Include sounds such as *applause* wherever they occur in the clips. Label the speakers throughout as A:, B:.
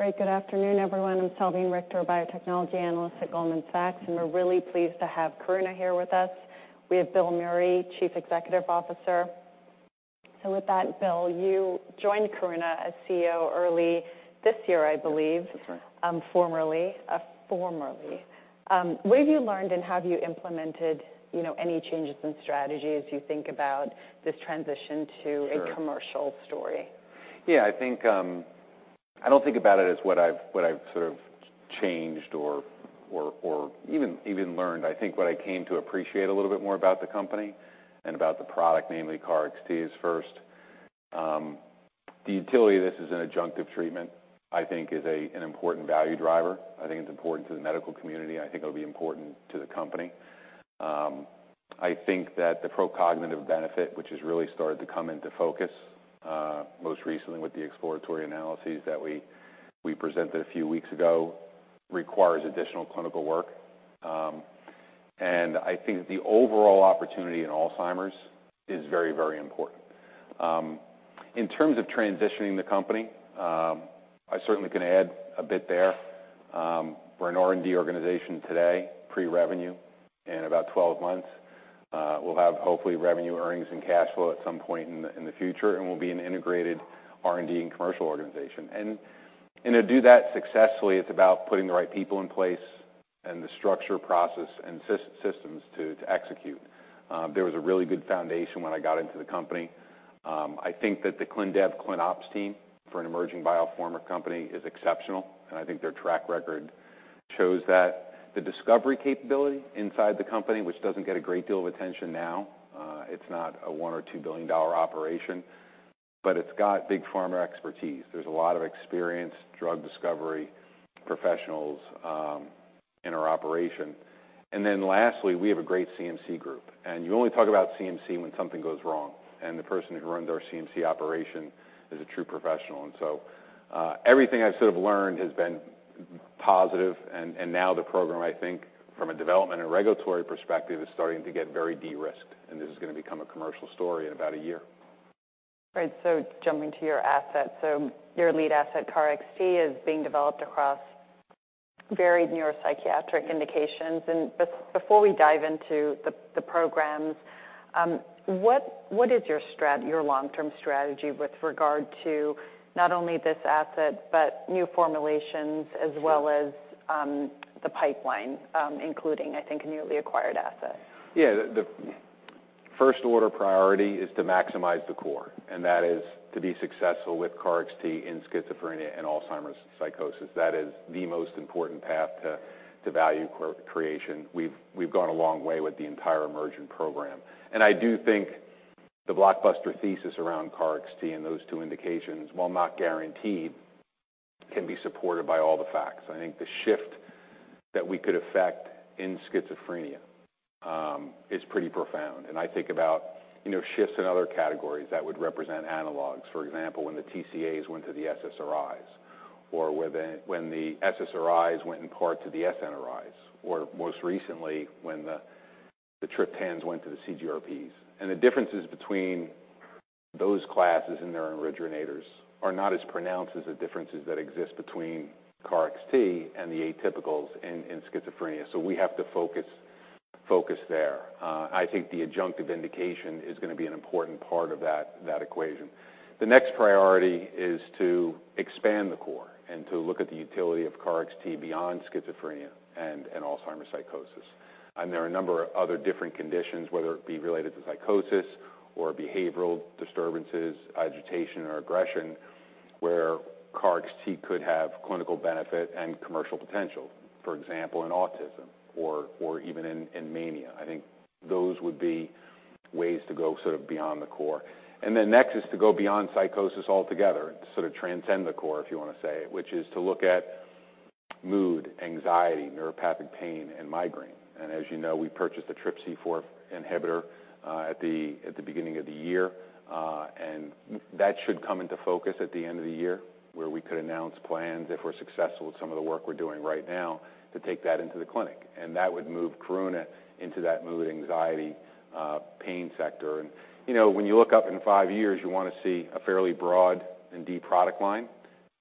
A: Great. Good afternoon, everyone. I'm Salveen Richter, a Biotechnology Analyst at Goldman Sachs, and we're really pleased to have Karuna here with us. We have Bill Meury, Chief Executive Officer. With that, Bill, you joined Karuna as CEO early this year, I believe.
B: That's right.
A: Formerly. What have you learned and have you implemented, you know, any changes in strategy as you think about this transition.
B: Sure.
A: A commercial story?
B: Yeah, I think, I don't think about it as what I've, what I've sort of changed or, or even learned. I think what I came to appreciate a little bit more about the company and about the product, namely, KarXT, is first, the utility of this as an adjunctive treatment, I think is a, an important value driver. I think it's important to the medical community. I think it'll be important to the company. I think that the pro-cognitive benefit, which has really started to come into focus, most recently with the exploratory analyses that we presented a few weeks ago, requires additional clinical work. I think the overall opportunity in Alzheimer's is very, very important. In terms of transitioning the company, I certainly can add a bit there. We're an R&D organization today, pre-revenue, in about 12 months. We'll have, hopefully, revenue, earnings, and cash flow at some point in the, in the future, and we'll be an integrated R&D and commercial organization. To do that successfully, it's about putting the right people in place and the structure, process, and systems to execute. There was a really good foundation when I got into the company. I think that the clin dev, clin ops team for an emerging biopharma company is exceptional, and I think their track record shows that. The discovery capability inside the company, which doesn't get a great deal of attention now, it's not a $1 billion or $2 billion operation, but it's got big pharma expertise. There's a lot of experienced drug discovery professionals in our operation. Lastly, we have a great CMC group, and you only talk about CMC when something goes wrong, and the person who runs our CMC operation is a true professional. So, everything I've sort of learned has been positive. Now the program, I think, from a development and regulatory perspective, is starting to get very de-risked. This is gonna become a commercial story in about a year.
A: Right. Jumping to your assets. Your lead asset, KarXT, is being developed across varied neuropsychiatric indications. Before we dive into the programs, what is your long-term strategy with regard to not only this asset, but new formulations, as well as the pipeline, including, I think, a newly acquired asset?
B: The first-order priority is to maximize the core, and that is to be successful with KarXT in schizophrenia and Alzheimer's psychosis. That is the most important path to value creation. We've gone a long way with the entire EMERGENT program. I do think the blockbuster thesis around KarXT and those two indications, while not guaranteed, can be supported by all the facts. I think the shift that we could affect in schizophrenia is pretty profound. I think about, you know, shifts in other categories that would represent analogs. For example, when the TCAs went to the SSRIs, or when the SSRIs went in part to the SNRIs, or most recently, when the triptans went to the CGRPs. The differences between those classes and their originators are not as pronounced as the differences that exist between KarXT and the atypicals in schizophrenia, so we have to focus there. I think the adjunctive indication is gonna be an important part of that equation. The next priority is to expand the core and to look at the utility of KarXT beyond schizophrenia and Alzheimer's psychosis. There are a number of other different conditions, whether it be related to psychosis or behavioral disturbances, agitation or aggression, where KarXT could have clinical benefit and commercial potential, for example, in autism or even in mania. I think those would be ways to go sort of beyond the core. Next is to go beyond psychosis altogether and sort of transcend the core, if you want to say, which is to look at mood, anxiety, neuropathic pain, and migraine. As you know, we purchased a TRPC4 inhibitor at the beginning of the year, and that should come into focus at the end of the year, where we could announce plans if we're successful with some of the work we're doing right now to take that into the clinic. That would move Karuna into that mood, anxiety, pain sector. You know, when you look up in five years, you want to see a fairly broad and deep product line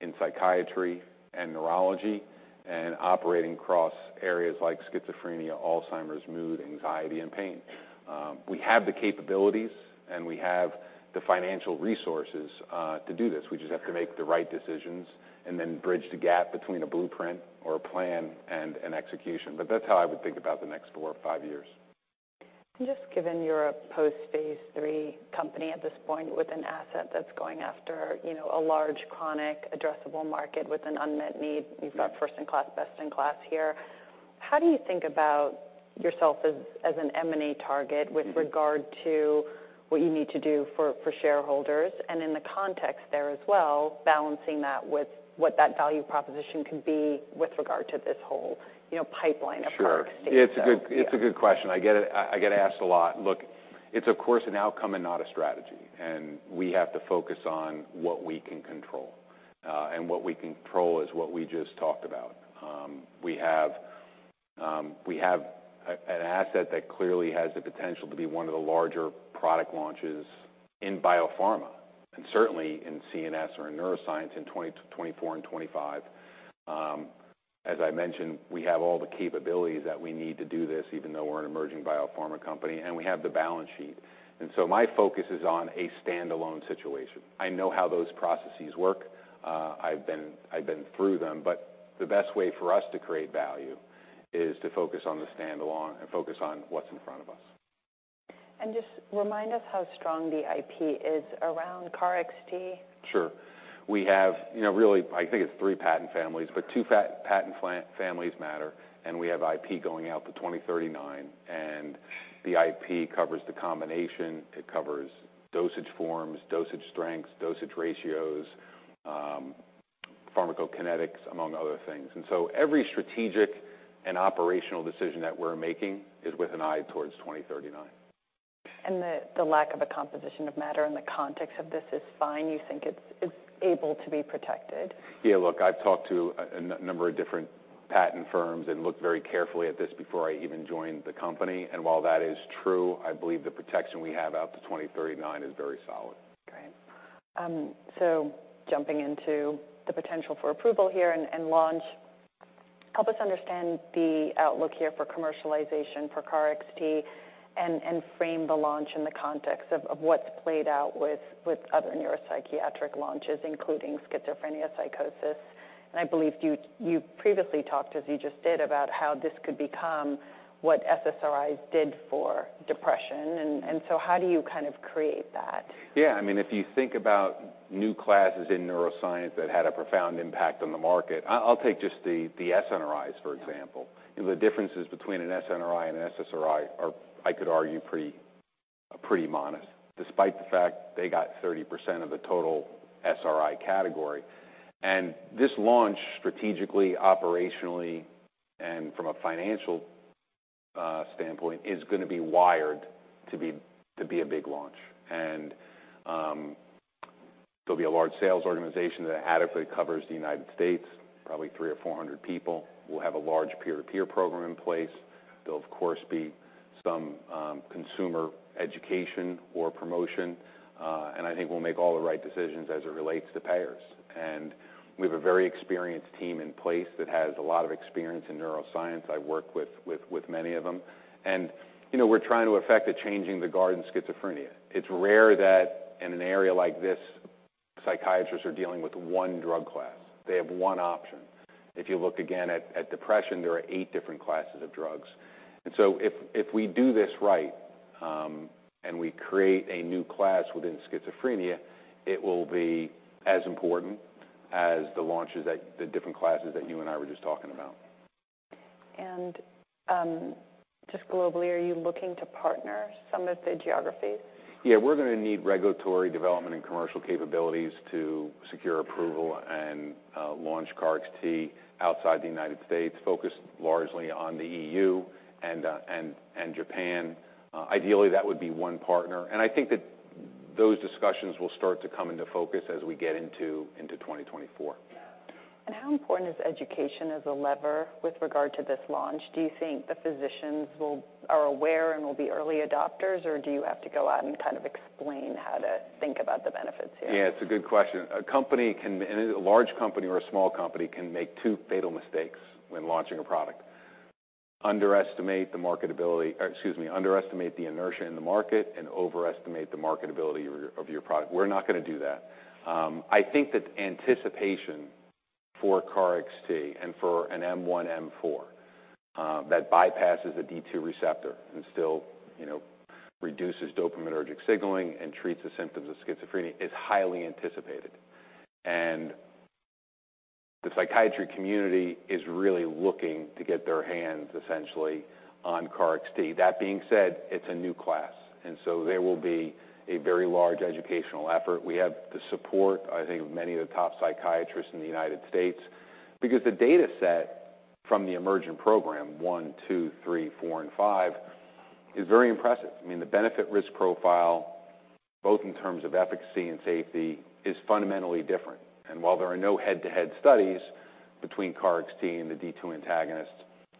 B: in psychiatry and neurology, and operating across areas like schizophrenia, Alzheimer's, mood, anxiety, and pain. We have the capabilities, and we have the financial resources to do this. We just have to make the right decisions and then bridge the gap between a blueprint or a plan and an execution. That's how I would think about the next four or five years.
A: Just given you're a post-phase III company at this point, with an asset that's going after, you know, a large chronic addressable market with an unmet need, you've got first in class, best in class here. How do you think about yourself as an M&A target with regard to what you need to do for shareholders, and in the context there as well, balancing that with what that value proposition could be with regard to this whole, you know, pipeline of products?
B: Sure. It's a good question. I get asked a lot. Look, it's of course, an outcome and not a strategy. We have to focus on what we can control. What we control is what we just talked about. We have an asset that clearly has the potential to be one of the larger product launches in biopharma, and certainly in CNS or in neuroscience in 2020 to 2024 and 2025. As I mentioned, we have all the capabilities that we need to do this, even though we're an emerging biopharma company, and we have the balance sheet. My focus is on a standalone situation. I know how those processes work. I've been through them, but the best way for us to create value is to focus on the standalone and focus on what's in front of us.
A: Just remind us how strong the IP is around KarXT?
B: Sure. We have, you know, really, I think it's three patent families, but two patent families matter. We have IP going out to 2039. The IP covers the combination. It covers dosage forms, dosage strengths, dosage ratios, pharmacokinetics, among other things. Every strategic and operational decision that we're making is with an eye towards 2039.
A: The lack of a composition of matter in the context of this is fine. You think it's able to be protected?
B: Yeah, look, I've talked to a number of different patent firms and looked very carefully at this before I even joined the company. While that is true, I believe the protection we have out to 2039 is very solid.
A: Great. Jumping into the potential for approval here and launch, help us understand the outlook here for commercialization for KarXT and frame the launch in the context of what's played out with other neuropsychiatric launches, including schizophrenia, psychosis. I believe you previously talked, as you just did, about how this could become what SSRIs did for depression. How do you kind of create that?
B: Yeah, I mean, if you think about new classes in neuroscience that had a profound impact on the market, I'll take just the SNRIs, for example.
A: Yeah.
B: You know, the differences between an SNRI and an SSRI are, I could argue, pretty modest, despite the fact they got 30% of the total SRI category. This launch, strategically, operationally, and from a financial standpoint, is gonna be wired to be a big launch. There'll be a large sales organization that adequately covers the United States, probably 300 or 400 people. We'll have a large peer-to-peer program in place. There'll, of course, be some consumer education or promotion, and I think we'll make all the right decisions as it relates to payers. We have a very experienced team in place that has a lot of experience in neuroscience. I've worked with many of them. You know, we're trying to effect a changing the guard in schizophrenia. It's rare that in an area like this, psychiatrists are dealing with one drug class. They have one option. If you look again at depression, there are eight different classes of drugs. If we do this right, and we create a new class within schizophrenia, it will be as important as the launches that the different classes that you and I were just talking about.
A: Just globally, are you looking to partner some of the geographies?
B: We're gonna need regulatory development and commercial capabilities to secure approval and launch KarXT outside the United States, focused largely on the EU and Japan. Ideally, that would be one partner, and I think that those discussions will start to come into focus as we get into 2024.
A: How important is education as a lever with regard to this launch? Do you think the physicians are aware and will be early adopters, or do you have to go out and kind of explain how to think about the benefits here?
B: Yeah, it's a good question. A company can... A large company or a small company can make two fatal mistakes when launching a product: underestimate the inertia in the market and overestimate the marketability of your product. We're not gonna do that. I think that anticipation for KarXT and for an M1/M4 that bypasses the D2 receptor and still, you know, reduces dopaminergic signaling and treats the symptoms of schizophrenia, is highly anticipated. The psychiatry community is really looking to get their hands, essentially, on KarXT. That being said, it's a new class, there will be a very large educational effort. We have the support, I think, of many of the top psychiatrists in the United States because the data set from the EMERGENT -1, -2, -3, -4, and -5 program is very impressive. I mean, the benefit-risk profile, both in terms of efficacy and safety, is fundamentally different. While there are no head-to-head studies between KarXT and the D2 antagonist,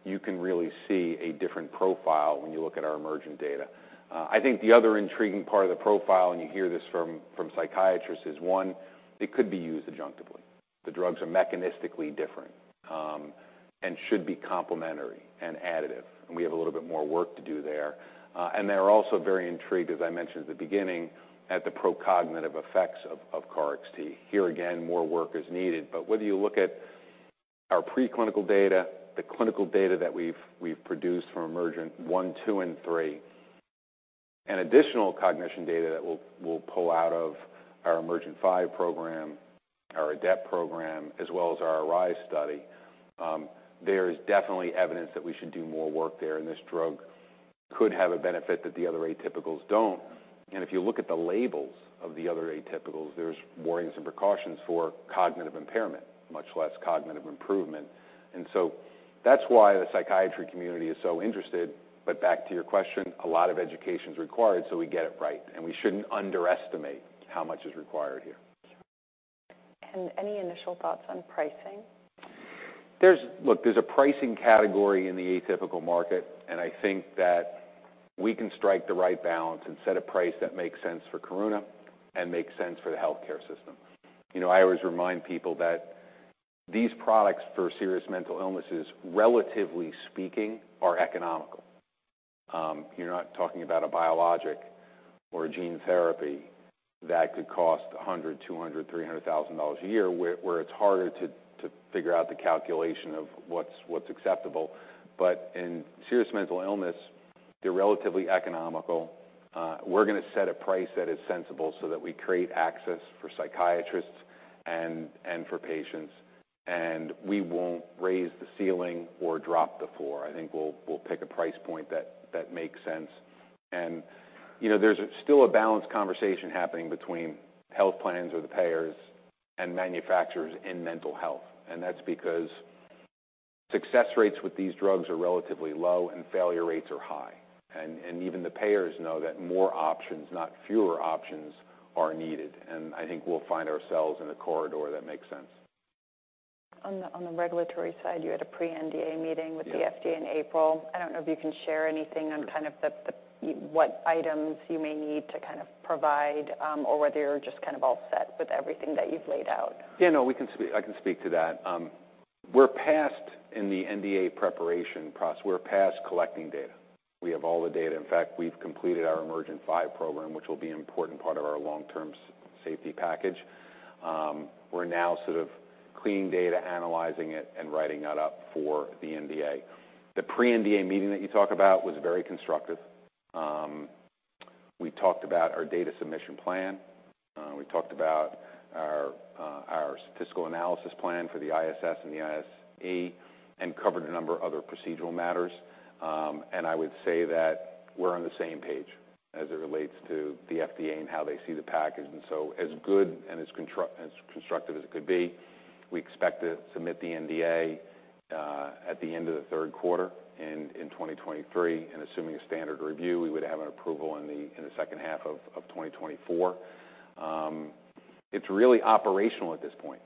B: you can really see a different profile when you look at our EMERGENT data. I think the other intriguing part of the profile, and you hear this from psychiatrists, is, one, it could be used adjunctively. The drugs are mechanistically different and should be complementary and additive, and we have a little bit more work to do there. And they're also very intrigued, as I mentioned at the beginning, at the pro-cognitive effects of KarXT. Here, again, more work is needed. Whether you look at our preclinical data, the clinical data that we've produced from EMERGENT-1, -2, and -3, and additional cognition data that we'll pull out of our EMERGENT-5 program, our ADEPT program, as well as our ARISE study, there is definitely evidence that we should do more work there, and this drug could have a benefit that the other atypicals don't. If you look at the labels of the other atypicals, there's warnings and precautions for cognitive impairment, much less cognitive improvement. That's why the psychiatry community is so interested. Back to your question, a lot of education is required, so we get it right, and we shouldn't underestimate how much is required here....
A: Any initial thoughts on pricing?
B: Look, there's a pricing category in the atypical market, and I think that we can strike the right balance and set a price that makes sense for Karuna and makes sense for the healthcare system. You know, I always remind people that these products for serious mental illnesses, relatively speaking, are economical. You're not talking about a biologic or a gene therapy that could cost $100,000, $200,000, $300,000 a year, where it's harder to figure out the calculation of what's acceptable. In serious mental illness, they're relatively economical. We're going to set a price that is sensible so that we create access for psychiatrists and for patients, and we won't raise the ceiling or drop the floor. I think we'll pick a price point that makes sense. You know, there's still a balanced conversation happening between health plans or the payers and manufacturers in mental health, and that's because success rates with these drugs are relatively low and failure rates are high. Even the payers know that more options, not fewer options, are needed, and I think we'll find ourselves in a corridor that makes sense.
A: On the regulatory side, you had a pre-NDA meeting.
B: Yeah.
A: with the FDA in April. I don't know if you can share anything on kind of the what items you may need to kind of provide, or whether you're just kind of all set with everything that you've laid out.
B: Yeah, no, I can speak to that. We're past in the NDA preparation process. We're past collecting data. We have all the data. In fact, we've completed our EMERGENT-5 program, which will be an important part of our long-term safety package. We're now sort of cleaning data, analyzing it, and writing that up for the NDA. The pre-NDA meeting that you talked about was very constructive. We talked about our data submission plan, we talked about our statistical analysis plan for the ISS and the ISE, and covered a number of other procedural matters. I would say that we're on the same page as it relates to the FDA and how they see the package. As good and as constructive as it could be, we expect to submit the NDA at the end of the third quarter in 2023. Assuming a standard review, we would have an approval in the second half of 2024. It's really operational at this point.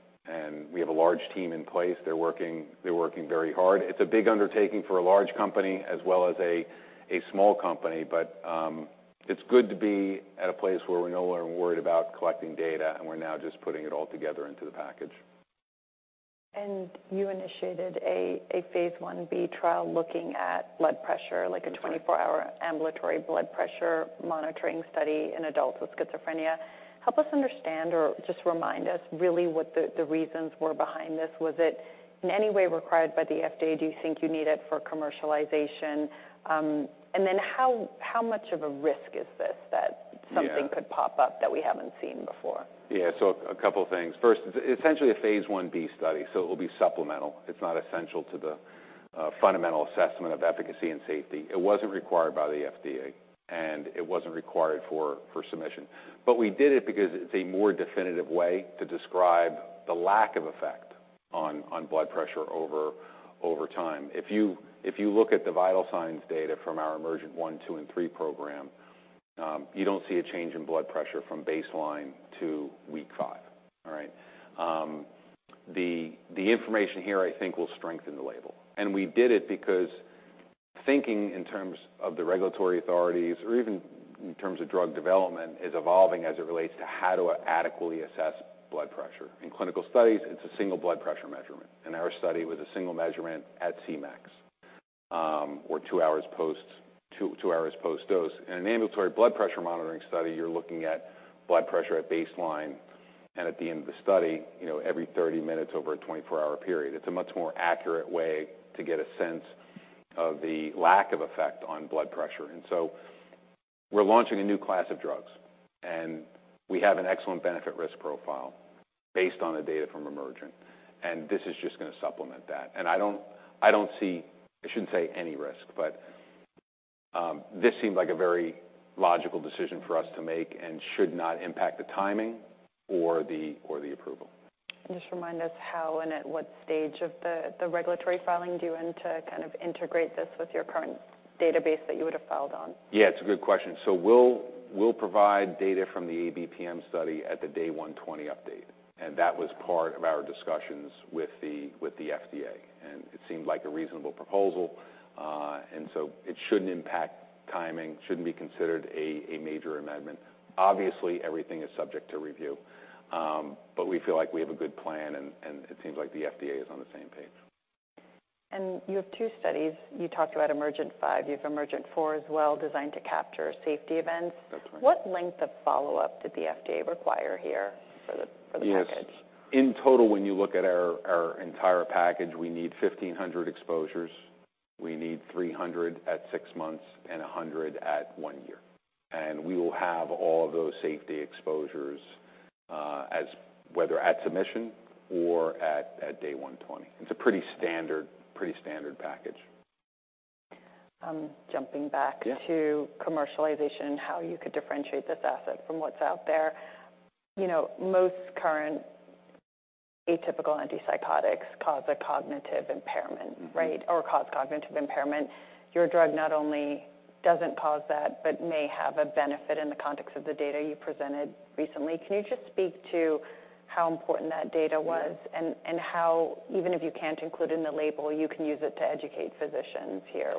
B: We have a large team in place. They're working very hard. It's a big undertaking for a large company as well as a small company. It's good to be at a place where we're no longer worried about collecting data. We're now just putting it all together into the package.
A: You initiated a phase I-B trial looking at blood pressure.
B: That's right.
A: Like a 24-hour ambulatory blood pressure monitoring study in adults with schizophrenia. Help us understand, or just remind us really, what the reasons were behind this. Was it in any way required by the FDA? Do you think you need it for commercialization? How much of a risk is this that.
B: Yeah...
A: something could pop up that we haven't seen before?
B: Couple of things. First, it's essentially a phase I-B study, it will be supplemental. It's not essential to the fundamental assessment of efficacy and safety. It wasn't required by the FDA, it wasn't required for submission. We did it because it's a more definitive way to describe the lack of effect on blood pressure over time. If you look at the vital signs data from our EMERGENT-1, -2, and -3 program, you don't see a change in blood pressure from baseline to week five. All right? The information here I think will strengthen the label. We did it because thinking in terms of the regulatory authorities or even in terms of drug development, is evolving as it relates to how to adequately assess blood pressure. In clinical studies, it's a single blood pressure measurement, and our study was a single measurement at Cmax, or two hours post-dose. In an ambulatory blood pressure monitoring study, you're looking at blood pressure at baseline, and at the end of the study, you know, every 30 minutes over a 24-hour period. It's a much more accurate way to get a sense of the lack of effect on blood pressure. We're launching a new class of drugs, and we have an excellent benefit-risk profile based on the data from EMERGENT, and this is just going to supplement that. I don't see, I shouldn't say any risk, but this seemed like a very logical decision for us to make and should not impact the timing or the approval.
A: Just remind us how and at what stage of the regulatory filing do you want to kind of integrate this with your current database that you would have filed on?
B: Yeah, it's a good question. We'll provide data from the ABPM study at the day 120 update. That was part of our discussions with the FDA. It seemed like a reasonable proposal, it shouldn't impact timing, shouldn't be considered a major amendment. Obviously, everything is subject to review, but we feel like we have a good plan and it seems like the FDA is on the same page.
A: You have two studies. You talked about EMERGENT-5. You have EMERGENT-4 as well, designed to capture safety events.
B: That's right.
A: What length of follow-up did the FDA require here for the package?
B: Yes. In total, when you look at our entire package, we need 1,500 exposures. We need 300 at six months and 100 at one year. We will have all those safety exposures as whether at submission or at day 120. It's a pretty standard package.
A: Um, jumping back-
B: Yeah...
A: to commercialization and how you could differentiate this asset from what's out there. You know, most current atypical antipsychotics cause a cognitive impairment, right? Cause cognitive impairment. Your drug not only doesn't cause that, but may have a benefit in the context of the data you presented recently. Can you just speak to how important that data was and how, even if you can't include it in the label, you can use it to educate physicians here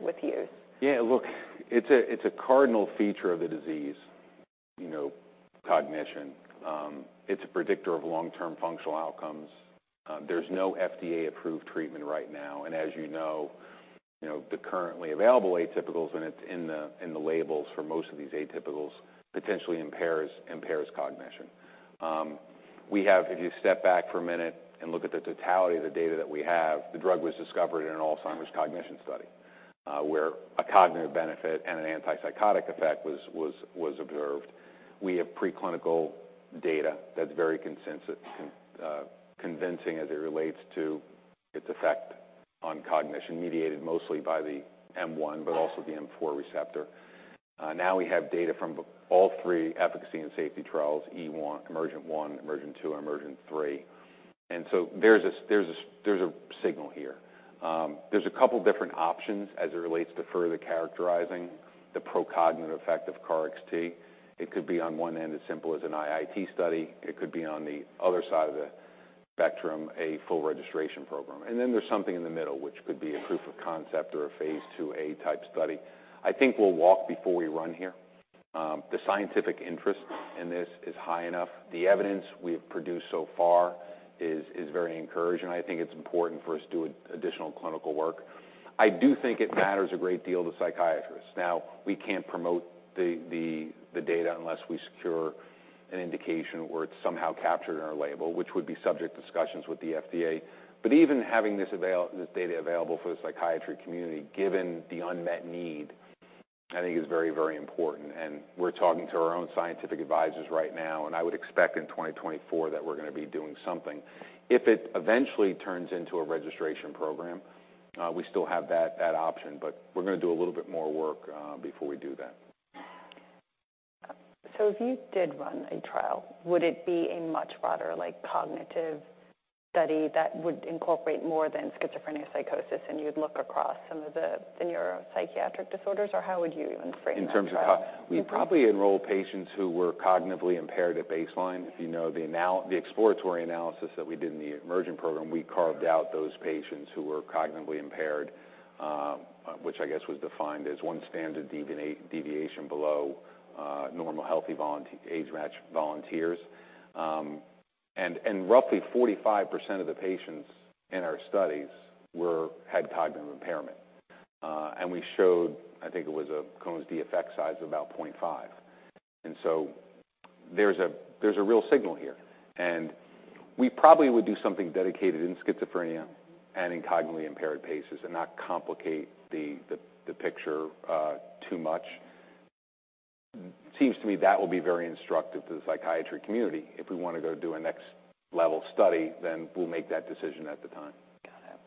A: with you?
B: Yeah, look, it's a cardinal feature of the disease, you know, cognition. It's a predictor of long-term functional outcomes. There's no FDA-approved treatment right now, and as you know, the currently available atypicals, and it's in the labels for most of these atypicals, potentially impairs cognition. If you step back for a minute and look at the totality of the data that we have, the drug was discovered in an Alzheimer's cognition study, where a cognitive benefit and an antipsychotic effect was observed. We have preclinical data that's very convincing as it relates to its effect on cognition, mediated mostly by the M1, but also the M4 receptor. Now we have data from the all three efficacy and safety trials, EMERGENT -1, EMERGENT -2, and EMERGENT -3. There's a signal here. There's a couple different options as it relates to further characterizing the procognitive effect of KarXT. It could be, on one end, as simple as an IIT study. It could be, on the other side of the spectrum, a full registration program. There's something in the middle, which could be a proof of concept or a phase II-A type study. I think we'll walk before we run here. The scientific interest in this is high enough. The evidence we have produced so far is very encouraging. I think it's important for us to do additional clinical work. I do think it matters a great deal to psychiatrists. We can't promote the data unless we secure an indication where it's somehow captured in our label, which would be subject to discussions with the FDA. Even having this data available for the psychiatry community, given the unmet need, I think is very important. We're talking to our own scientific advisors right now, and I would expect in 2024 that we're gonna be doing something. If it eventually turns into a registration program, we still have that option, but we're gonna do a little bit more work before we do that.
A: If you did run a trial, would it be a much broader, like, cognitive study that would incorporate more than schizophrenia psychosis, and you'd look across some of the neuropsychiatric disorders? Or how would you even frame that?
B: In terms of. *audio distortion* We'd probably enroll patients who were cognitively impaired at baseline. you know, the exploratory analysis that we did in the EMERGENT program, we carved out those patients who were cognitively impaired, which I guess was defined as one standard deviation below normal, healthy volunteer, age-matched volunteers. And roughly 45% of the patients in our studies had cognitive impairment. We showed, I think it was a Cohen's d effect size of about 0.5. There's a real signal here. We probably would do something dedicated in schizophrenia and in cognitively impaired patients and not complicate the picture too much. Seems to me that will be very instructive to the psychiatry community. We want to go do a next-level study, then we'll make that decision at the time.
A: Got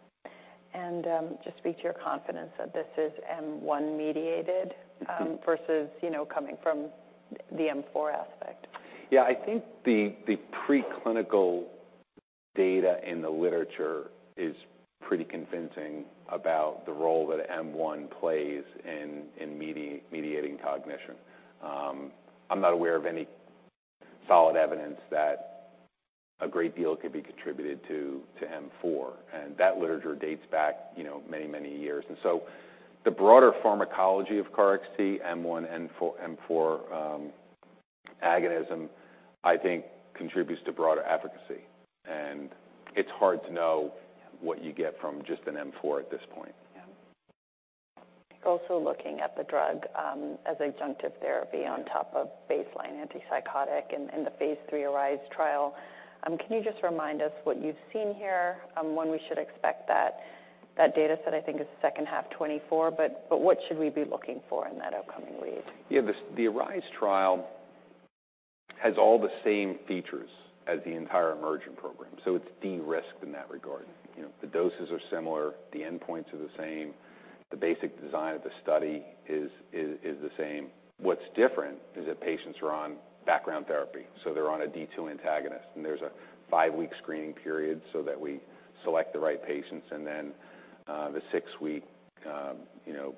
A: it. just speak to your confidence that this is M1-mediated-
B: Mm-hmm.
A: versus, you know, coming from the M4 aspect.
B: I think the preclinical data in the literature is pretty convincing about the role that M1 plays in mediating cognition. I'm not aware of any solid evidence that a great deal could be contributed to M4, and that literature dates back, you know, many, many years. The broader pharmacology of KarXT, M1 and M4 agonism, I think, contributes to broader efficacy, and it's hard to know what you get from just an M4 at this point.
A: Also, looking at the drug, as adjunctive therapy on top of baseline antipsychotic and the phase III ARISE trial, can you just remind us what you've seen here? When we should expect that... That data set, I think, is second half 2024, but what should we be looking for in that upcoming read?
B: Yeah. The ARISE trial has all the same features as the entire EMERGENT program, so it's de-risked in that regard. You know, the doses are similar, the endpoints are the same, the basic design of the study is the same. What's different is that patients are on background therapy, so they're on a D2 antagonist, and there's a five-week screening period so that we select the right patients, and then, the six-week, you know,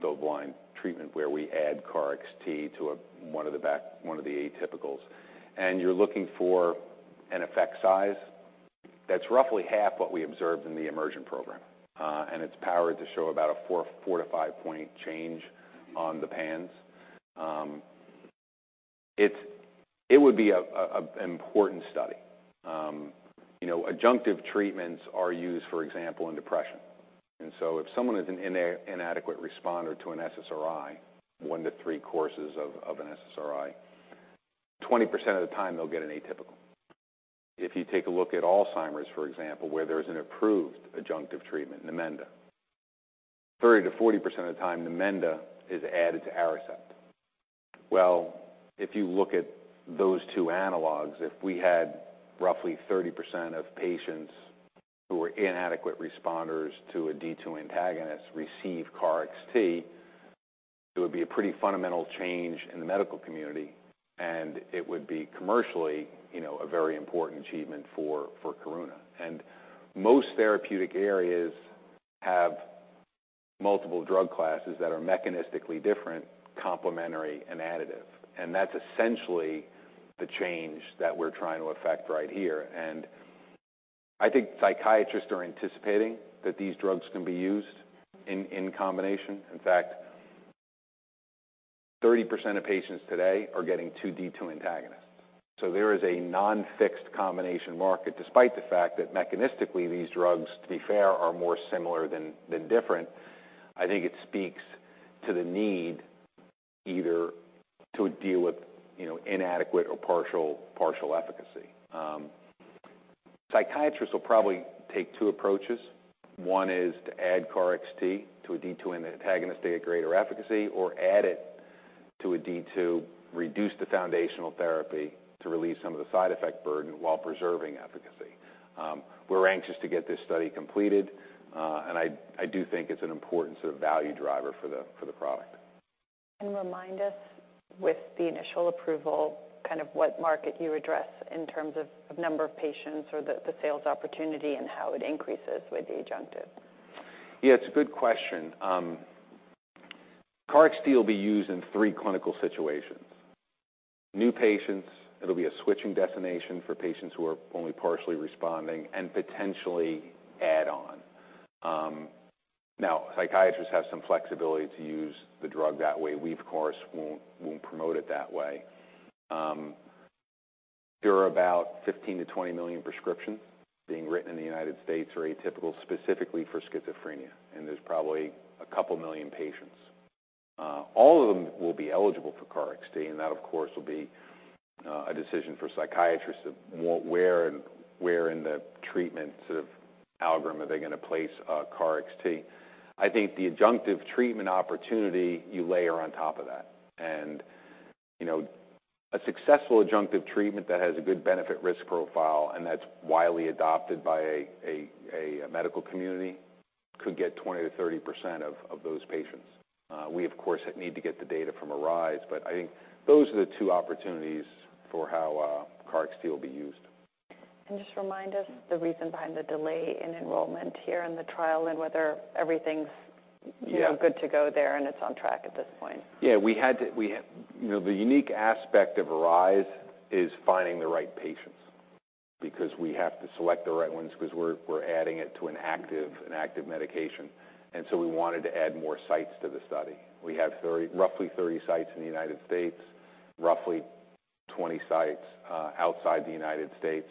B: double-blind treatment, where we add KarXT to one of the atypicals. You're looking for an effect size that's roughly half what we observed in the EMERGENT program, and it's powered to show about a four to five-point change on the PANSS. It would be an important study. You know, adjunctive treatments are used, for example, in depression, if someone is an inadequate responder to an SSRI, 1 to 3 courses of an SSRI, 20% of the time, they'll get an atypical. If you take a look at Alzheimer's, for example, where there's an approved adjunctive treatment, Namenda, 30%-40% of the time, Namenda is added to Aricept. If you look at those two analogs, if we had roughly 30% of patients who were inadequate responders to a D2 antagonist receive KarXT, it would be a pretty fundamental change in the medical community, and it would be commercially, you know, a very important achievement for Karuna. Most therapeutic areas have multiple drug classes that are mechanistically different, complementary, and additive, and that's essentially the change that we're trying to affect right here. I think psychiatrists are anticipating that these drugs can be used in combination. In fact, 30% of patients today are getting two D2 antagonists. There is a non-fixed combination market, despite the fact that mechanistically, these drugs, to be fair, are more similar than different. I think it speaks to the need either to deal with, you know, inadequate or partial efficacy. Psychiatrists will probably take two approaches. One is to add KarXT to a D2 antagonist to get greater efficacy, or add it to a D2, reduce the foundational therapy to relieve some of the side effect burden while preserving efficacy. We're anxious to get this study completed, and I do think it's an important sort of value driver for the product.
A: Can you remind us, with the initial approval, kind of what market you address in terms of number of patients or the sales opportunity and how it increases with the adjunctive?
B: Yeah, it's a good question. KarXT will be used in three clinical situations: new patients, it'll be a switching destination for patients who are only partially responding, and potentially add-on. Psychiatrists have some flexibility to use the drug that way. We, of course, won't promote it that way. There are about 15 million-20 million prescriptions being written in the United States for atypicals, specifically for schizophrenia, and there's probably a couple million patients. All of them will be eligible for KarXT, that, of course, will be a decision for psychiatrists of where in the treatment sort of algorithm are they going to place KarXT. I think the adjunctive treatment opportunity, you layer on top of that. You know, a successful adjunctive treatment that has a good benefit-risk profile and that's widely adopted by a medical community could get 20% to 30% of those patients. We of course, need to get the data from ARISE, but I think those are the two opportunities for how KarXT will be used.
A: Just remind us the reason behind the delay in enrollment here in the trial and whether everything's-
B: Yeah...
A: you know, good to go there and it's on track at this point.
B: Yeah, we had to, you know, the unique aspect of ARISE is finding the right patients because we have to select the right ones 'cause we're adding it to an active medication. We wanted to add more sites to the study. We have roughly 30 sites in the U.S., roughly 20 sites outside the U.S.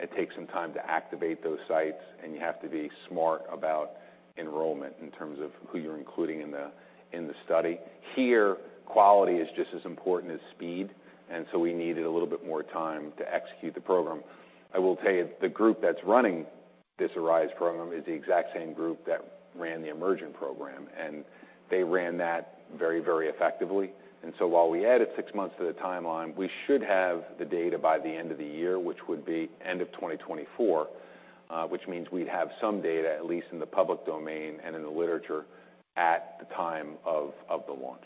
B: It takes some time to activate those sites. You have to be smart about enrollment in terms of who you're including in the study. Here, quality is just as important as speed. We needed a little bit more time to execute the program. I will tell you, the group that's running this ARISE program is the exact same group that ran the EMERGENT program. They ran that very, very effectively. While we added six months to the timeline, we should have the data by the end of the year, which would be end of 2024, which means we'd have some data, at least in the public domain and in the literature, at the time of the launch.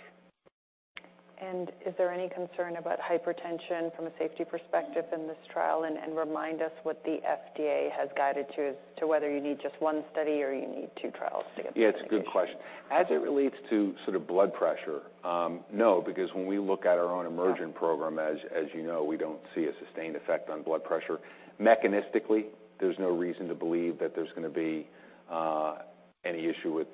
A: Is there any concern about hypertension from a safety perspective in this trial? Remind us what the FDA has guided to, as to whether you need just one study or you need two trials to get the-?
B: Yeah, it's a good question. As it relates to sort of blood pressure, no, because when we look at our own EMERGENT program, as you know, we don't see a sustained effect on blood pressure. Mechanistically, there's no reason to believe that there's going to be any issue with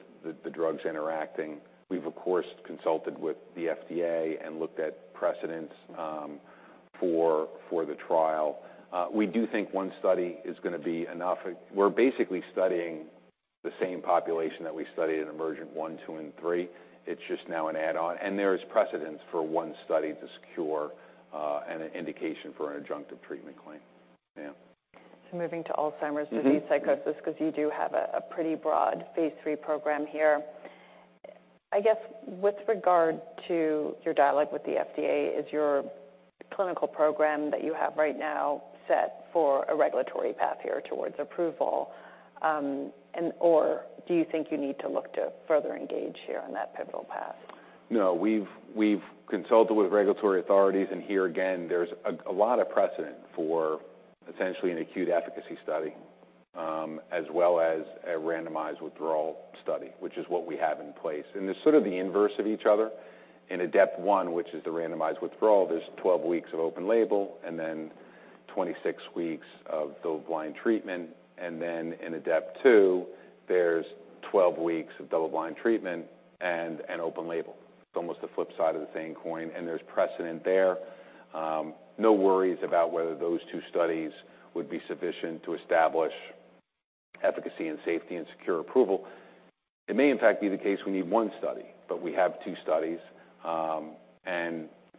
B: the drugs interacting. We've, of course, consulted with the FDA and looked at precedents for the trial. We do think one study is going to be enough. We're basically studying the same population that we studied in EMERGENT-1, -2, and -3. It's just now an add-on. There is precedence for one study to secure an indication for an adjunctive treatment claim. Yeah.
A: Moving to Alzheimer's.
B: Mm-hmm...
A: disease psychosis, 'cause you do have a pretty broad phase III program here. I guess with regard to your dialogue with the FDA, is your clinical program that you have right now set for a regulatory path here towards approval? or do you think you need to look to further engage here on that pivotal path?
B: No, we've consulted with regulatory authorities. Here again, there's a lot of precedent for essentially an acute efficacy study, as well as a randomized withdrawal study, which is what we have in place. They're sort of the inverse of each other. In ADEPT-1, which is the randomized withdrawal, there's 12 weeks of open label and then 26 weeks of double-blind treatment. Then in ADEPT-2, there's 12 weeks of double-blind treatment and an open label. It's almost the flip side of the same coin, and there's precedent there. No worries about whether those two studies would be sufficient to establish efficacy and safety and secure approval. It may, in fact, be the case we need one study, but we have two studies.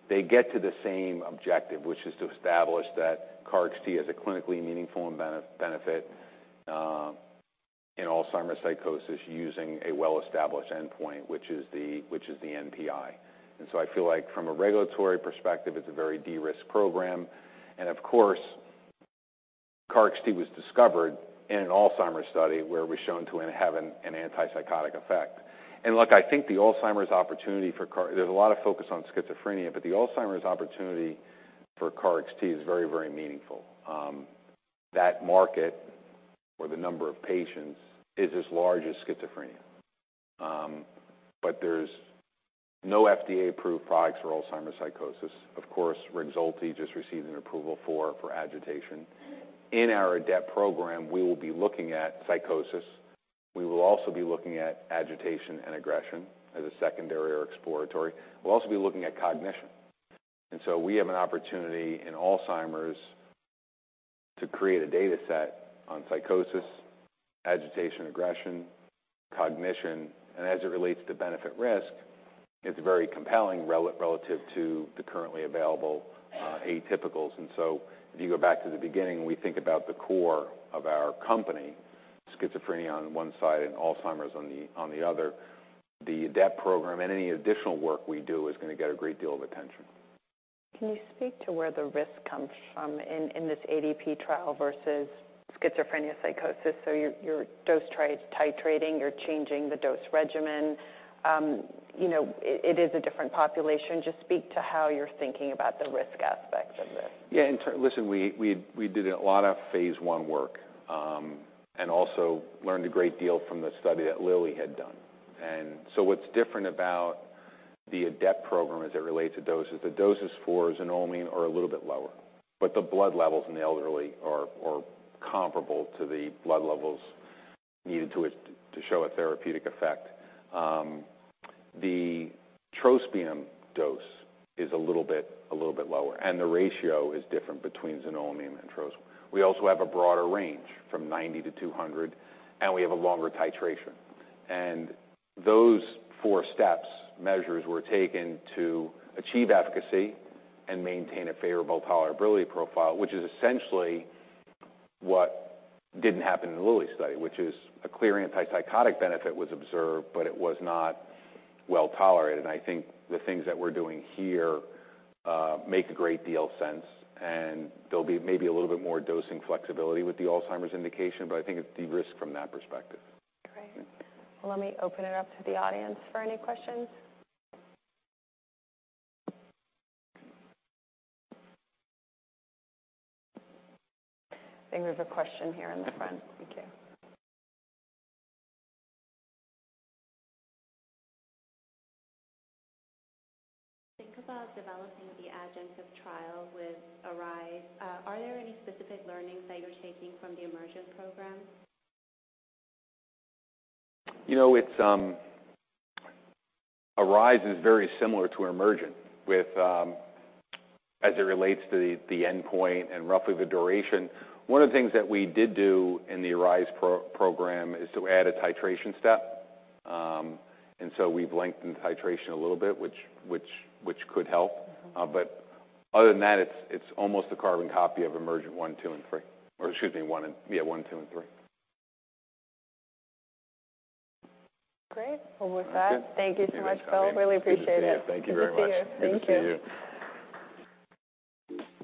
B: They get to the same objective, which is to establish that KarXT has a clinically meaningful benefit in Alzheimer's psychosis, using a well-established endpoint, which is the NPI. I feel like from a regulatory perspective, it's a very de-risked program. Of course, KarXT was discovered in an Alzheimer's study, where it was shown to have an antipsychotic effect. Look, I think the Alzheimer's opportunity for KarXT is very, very meaningful. That market or the number of patients is as large as schizophrenia. There's no FDA-approved products for Alzheimer's psychosis. Of course, Rexulti just received an approval for agitation. In our ADEPT program, we will be looking at psychosis. We will also be looking at agitation and aggression as a secondary or exploratory. We'll also be looking at cognition. We have an opportunity in Alzheimer's to create a dataset on psychosis, agitation, aggression, cognition, and as it relates to benefit risk, it's very compelling relative to the currently available atypicals. If you go back to the beginning, we think about the core of our company, schizophrenia on one side and Alzheimer's on the other. The ADEPT program and any additional work we do is gonna get a great deal of attention.
A: Can you speak to where the risk comes from in this ADEPT trial versus schizophrenia psychosis? Your dose titrating, you're changing the dose regimen. You know, it is a different population. Just speak to how you're thinking about the risk aspects of this.
B: Yeah, in turn... Listen, we did a lot of phase I work and also learned a great deal from the study that Lilly had done. What's different about the ADEPT program as it relates to doses, the doses for xanomeline are a little bit lower, but the blood levels in the elderly are comparable to the blood levels needed to show a therapeutic effect. The trospium dose is a little bit lower, and the ratio is different between xanomeline and trospium. We also have a broader range from 90 to 200, and we have a longer titration. Those four steps, measures were taken to achieve efficacy and maintain a favorable tolerability profile, which is essentially what didn't happen in the Lilly study, which is a clear antipsychotic benefit was observed, but it was not well tolerated. I think the things that we're doing here, make a great deal of sense, and there'll be maybe a little bit more dosing flexibility with the Alzheimer's indication, but I think it's de-risked from that perspective.
A: Great.
B: Yeah.
A: Well, let me open it up to the audience for any questions. I think there's a question here in the front. Thank you. Think about developing the [adjunct of trial] with ARISE. Are there any specific learnings that you're taking from the EMERGENT program?
B: You know, it's, ARISE is very similar to EMERGENT with, as it relates to the endpoint and roughly the duration. One of the things that we did do in the ARISE program is to add a titration step. We've lengthened titration a little bit, which could help.
A: Mm-hmm.
B: Other than that, it's almost a carbon copy of EMERGENT -1, -2, and -3, or excuse me, -1 and, yeah, -1, -2, and -3.
A: Great. Well, with that.
B: Okay.
A: Thank you so much, Bill.
B: Thanks, Salveen.
A: Really appreciate it.
B: Good to see you. Thank you very much.
A: Good to see you. Thank you.
B: Good to see you.